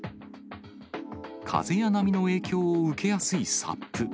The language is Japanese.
風や波の影響を受けやすいサップ。